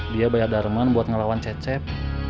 dia bayar darmon buat ngelawan cecep